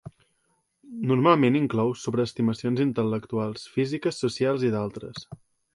Normalment inclou sobreestimacions intel·lectuals, físiques, socials i d'altres.